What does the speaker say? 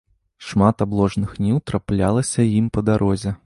Шмат абложных ніў траплялася ім па дарозе.